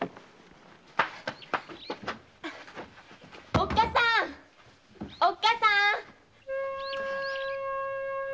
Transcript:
おっかさんおっかさん！